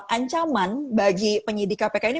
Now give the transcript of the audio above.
ancaman bagi penyidik kpk ini